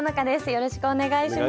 よろしくお願いします。